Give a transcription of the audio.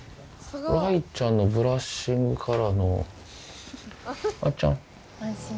雷ちゃんのブラッシングからのあーちゃん。